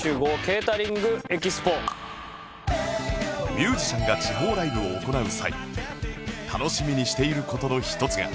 ミュージシャンが地方ライブを行う際楽しみにしている事の一つが